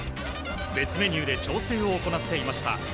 別メニューで調整を行っていました。